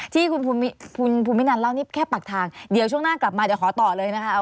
ที่คุณภูมินันเล่านี่แค่ปากทางเดี๋ยวช่วงหน้ากลับมาเดี๋ยวขอต่อเลยนะคะ